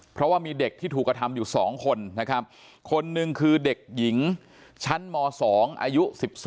เพราะว่ามีเด็กที่ถูกกระทำอยู่๒คนนะครับคนหนึ่งคือเด็กหญิงชั้นม๒อายุ๑๒